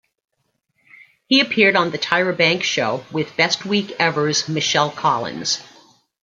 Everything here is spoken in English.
He appeared on "The Tyra Banks Show" with "Best Week Ever"'s Michelle Collins.